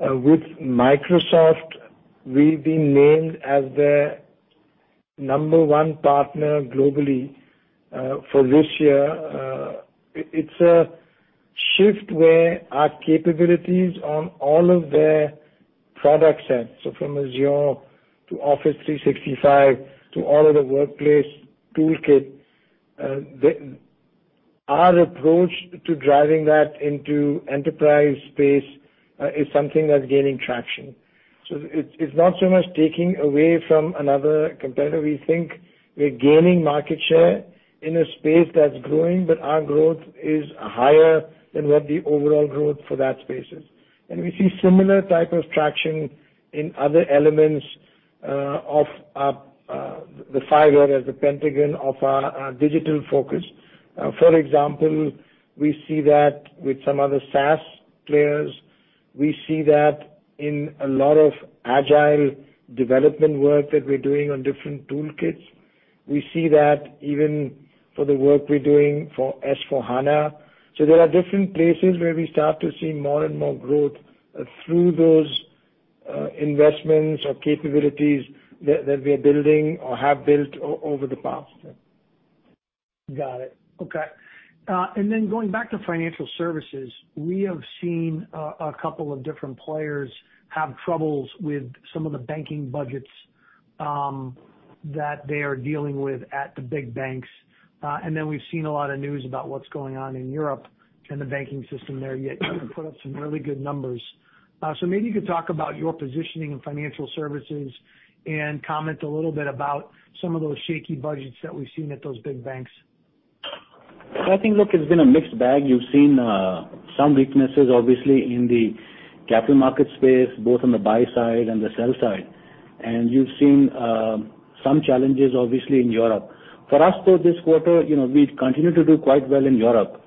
with Microsoft, we've been named as their number one partner globally for this year. It's a shift where our capabilities on all of their product sets, from Azure to Office 365 to all of the workplace toolkit. Our approach to driving that into enterprise space is something that's gaining traction. It's not so much taking away from another competitor. We think we're gaining market share in a space that's growing, Our growth is higher than what the overall growth for that space is. We see similar type of traction in other elements of the five areas, the Pentagon of our digital focus. For example, we see that with some other SaaS players. We see that in a lot of agile development work that we're doing on different toolkits. We see that even for the work we're doing for S/4HANA. There are different places where we start to see more and more growth through those investments or capabilities that we are building or have built over the past. Got it. Okay. Going back to Financial Services, we have seen a couple of different players have troubles with some of the banking budgets that they are dealing with at the big banks. We've seen a lot of news about what's going on in Europe and the banking system there, yet you put up some really good numbers. Maybe you could talk about your positioning in Financial Services and comment a little bit about some of those shaky budgets that we've seen at those big banks. I think, look, it's been a mixed bag. You've seen some weaknesses, obviously, in the capital market space, both on the buy side and the sell side. You've seen some challenges, obviously, in Europe. For us, though, this quarter, we continued to do quite well in Europe.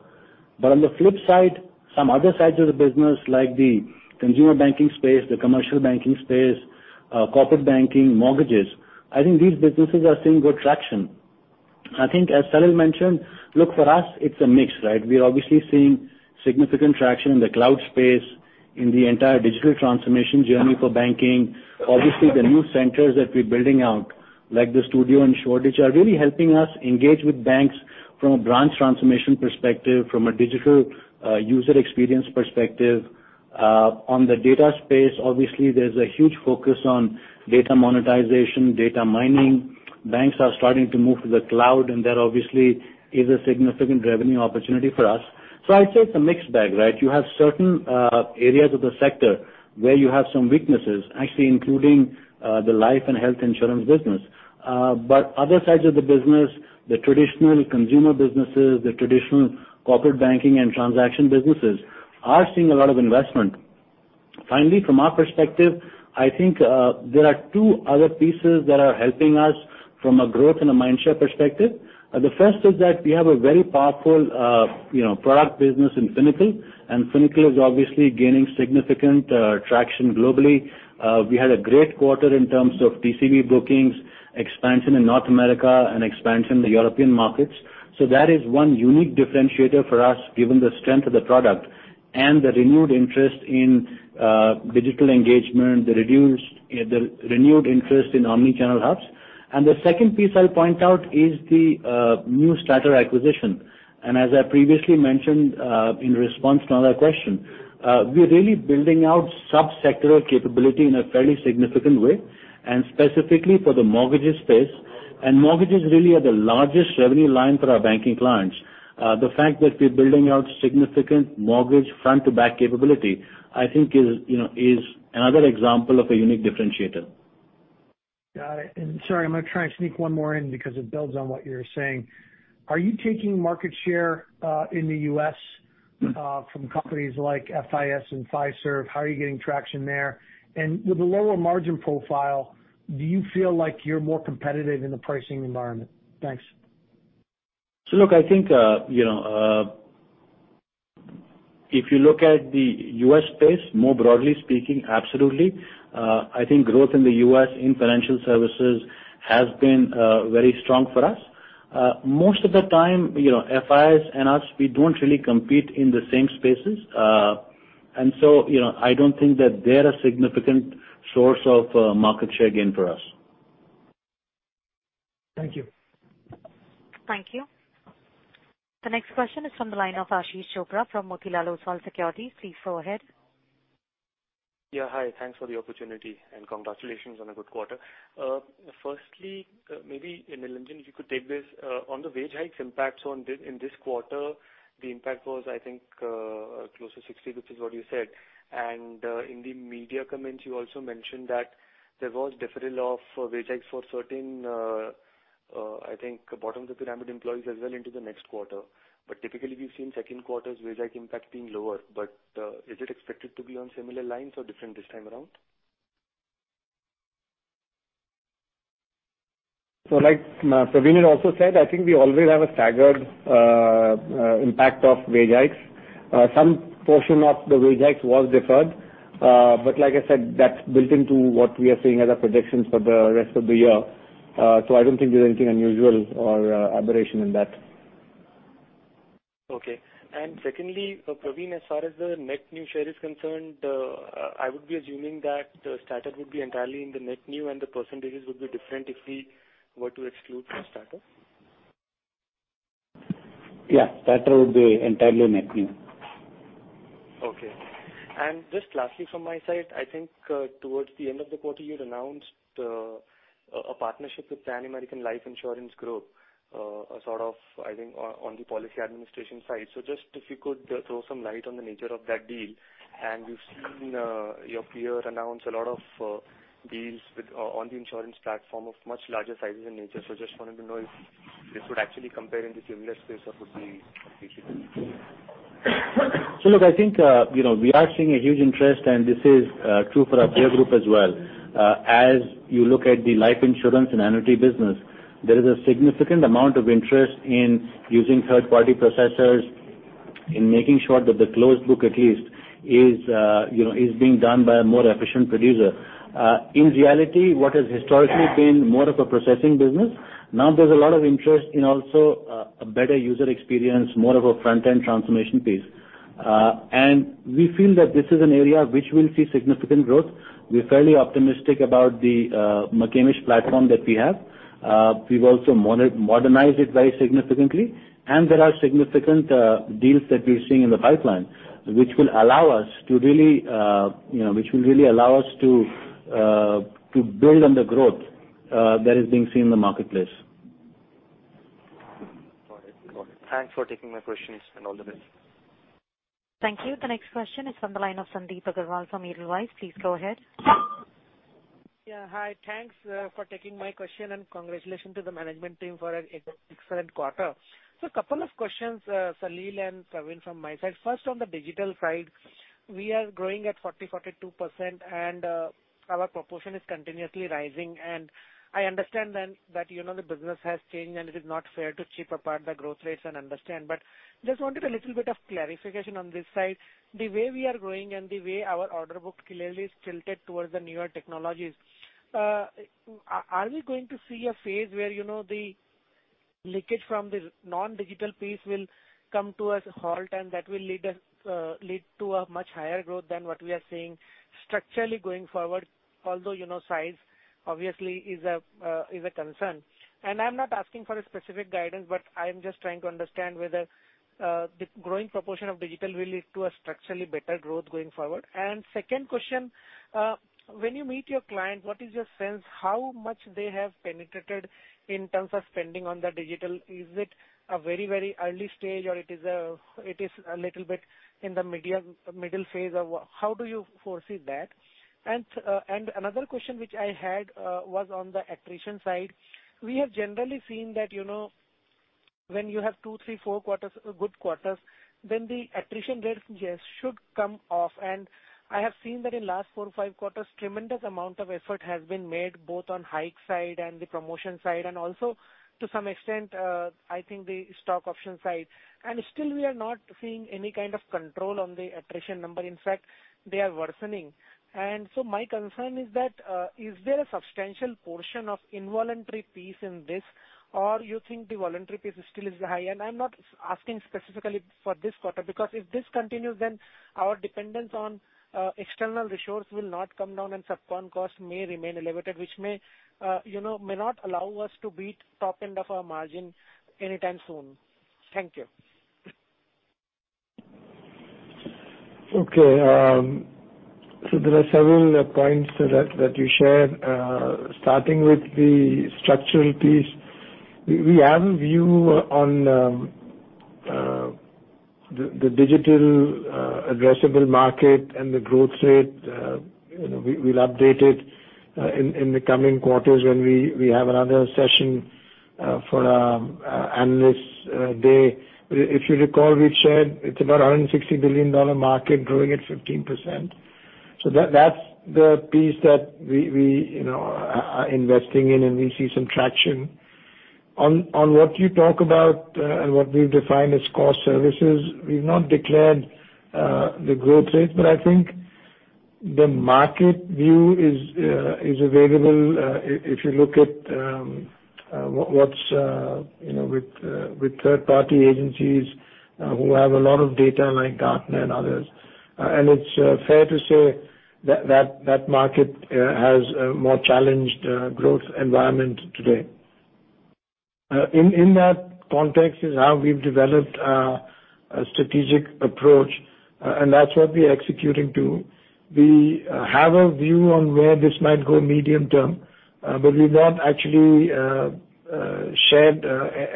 But on the flip side, some other sides of the business, like the consumer banking space, the commercial banking space, corporate banking, mortgages, I think these businesses are seeing good traction. I think as Salil mentioned, look, for us, it's a mix, right? We are obviously seeing significant traction in the cloud space, in the entire digital transformation journey for banking. Obviously, the new centers that we're building out, like the studio in Shoreditch, are really helping us engage with banks from a branch transformation perspective, from a digital user experience perspective. On the data space, obviously, there's a huge focus on data monetization, data mining. Banks are starting to move to the cloud, and that obviously is a significant revenue opportunity for us. I'd say it's a mixed bag, right? You have certain areas of the sector where you have some weaknesses, actually including the life and health insurance business. Other sides of the business, the traditional consumer businesses, the traditional corporate banking and transaction businesses, are seeing a lot of investment. Finally, from our perspective, I think there are two other pieces that are helping us from a growth and a mind-share perspective. The first is that we have a very powerful product business in Finacle, and Finacle is obviously gaining significant traction globally. We had a great quarter in terms of TCV bookings, expansion in North America, and expansion in the European markets. That is one unique differentiator for us, given the strength of the product and the renewed interest in digital engagement, the renewed interest in omni-channel hubs. The second piece I'll point out is the new Stater acquisition. As I previously mentioned in response to another question, we're really building out sub-sectoral capability in a fairly significant way, and specifically for the mortgages space. Mortgages really are the largest revenue line for our banking clients. The fact that we're building out significant mortgage front-to-back capability, I think is another example of a unique differentiator. Sorry, I'm going to try and sneak one more in because it builds on what you're saying. Are you taking market share in the U.S. from companies like FIS and Fiserv? How are you getting traction there? With a lower margin profile, do you feel like you're more competitive in the pricing environment? Thanks. Look, I think, if you look at the U.S. space, more broadly speaking, absolutely. I think growth in the U.S. in Financial Services has been very strong for us. Most of the time, FIS and us, we don't really compete in the same spaces. I don't think that they're a significant source of market share gain for us. Thank you. Thank you. The next question is from the line of Ashish Chopra from Motilal Oswal Securities. Please go ahead. Hi. Thanks for the opportunity, and congratulations on a good quarter. Firstly, maybe Nilanjan, if you could take this. On the wage hikes impacts in this quarter, the impact was, I think, close to 60, which is what you said. In the media comments, you also mentioned that there was deferral of wage hikes for certain, I think, bottom of the pyramid employees as well into the next quarter. Typically, we've seen second quarters wage hike impact being lower, but is it expected to be on similar lines or different this time around? Like Pravin had also said, I think we always have a staggered impact of wage hikes. Some portion of the wage hike was deferred. Like I said, that's built into what we are seeing as our predictions for the rest of the year. I don't think there's anything unusual or aberration in that. Okay. Secondly, Pravin, as far as the net new share is concerned, I would be assuming that Stater would be entirely in the net new and the percentages would be different if we were to exclude Stater? Yeah. Stater would be entirely net new. Okay. Just lastly from my side, I think towards the end of the quarter, you'd announced a partnership with Pan-American Life Insurance Group, sort of, I think on the policy administration side. Just if you could throw some light on the nature of that deal. We've seen your peer announce a lot of deals on the insurance platform of much larger sizes in nature. Just wanted to know if this would actually compare in the similar space or would be completely different. Look, I think, we are seeing a huge interest. This is true for our peer group as well. As you look at the life insurance and annuity business, there is a significant amount of interest in using third-party processors in making sure that the closed book, at least, is being done by a more efficient producer. In reality, what has historically been more of a processing business, now there's a lot of interest in also a better user experience, more of a front-end transformation piece. We feel that this is an area which will see significant growth. We're fairly optimistic about the McCamish platform that we have. We've also modernized it very significantly, and there are significant deals that we're seeing in the pipeline, which will really allow us to build on the growth that is being seen in the marketplace. Got it. Thanks for taking my questions, and all the best. Thank you. The next question is from the line of Sandip Agarwal from Edelweiss. Please go ahead. Hi. Thanks for taking my question and congratulations to the management team for an excellent quarter. couple of questions, Salil and Pravin, from my side. First, on the digital side, we are growing at 40%-42%, and our proportion is continuously rising. I understand then that the business has changed, and it is not fair to chip apart the growth rates and understand. Just wanted a little bit of clarification on this side. The way we are growing and the way our order book clearly is tilted towards the newer technologies, are we going to see a phase where the leakage from this non-digital piece will come to a halt, and that will lead to a much higher growth than what we are seeing structurally going forward, although size obviously is a concern? I'm not asking for a specific guidance, I am just trying to understand whether the growing proportion of digital will lead to a structurally better growth going forward. second question, when you meet your client, what is your sense, how much they have penetrated in terms of spending on the digital? Is it a very early stage? Or it is a little bit in the middle phase? Or how do you foresee that? another question which I had was on the attrition side. We have generally seen that when you have two, three, four good quarters, then the attrition rates should come off. I have seen that in last four, five quarters, tremendous amount of effort has been made, both on hike side and the promotion side, and also, to some extent, I think the stock option side. Still, we are not seeing any kind of control on the attrition number. In fact, they are worsening. My concern is that, is there a substantial portion of involuntary piece in this, or you think the voluntary piece still is high? I'm not asking specifically for this quarter, because if this continues, then our dependence on external resources will not come down and subcon cost may remain elevated, which may not allow us to beat top end of our margin anytime soon. Thank you. Okay. There are several points that you shared. Starting with the structural piece, we have a view on the digital addressable market and the growth rate. We'll update it in the coming quarters when we have another session for our Analysts' Day. If you recall, we've said it's about $160 billion market growing at 15%. That's the piece that we are investing in, and we see some traction. On what you talk about and what we've defined as core services, we've not declared the growth rate, but I think the market view is available if you look at with third-party agencies who have a lot of data, like Gartner and others. It's fair to say that market has a more challenged growth environment today. In that context is how we've developed our strategic approach, and that's what we're executing to. We have a view on where this might go medium term. We've not actually shared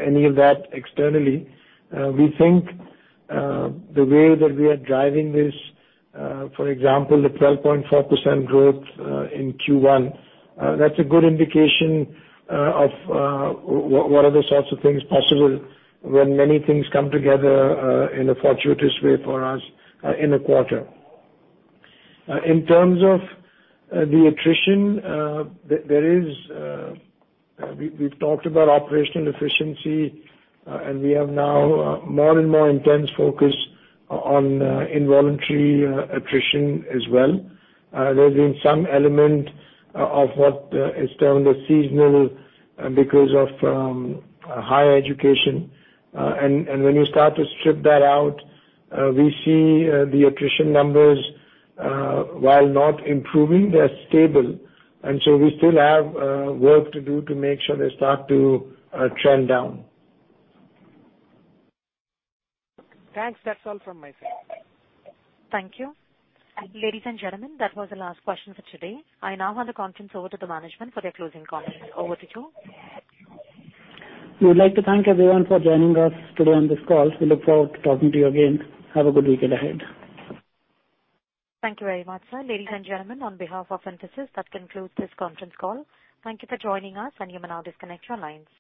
any of that externally. We think the way that we are driving this, for example, the 12.4% growth in Q1, that's a good indication of what are the sorts of things possible when many things come together in a fortuitous way for us in a quarter. In terms of the attrition, we've talked about operational efficiency. We have now a more and more intense focus on involuntary attrition as well. There's been some element of what is termed as seasonal because of higher education. When you start to strip that out, we see the attrition numbers, while not improving, they're stable. We still have work to do to make sure they start to trend down. Thanks. That's all from my side. Thank you. Ladies and gentlemen, that was the last question for today. I now hand the conference over to the management for their closing comments. Over to you. We would like to thank everyone for joining us today on this call. We look forward to talking to you again. Have a good weekend ahead. Thank you very much, sir. Ladies and gentlemen, on behalf of Infosys, that concludes this conference call. Thank you for joining us, and you may now disconnect your lines.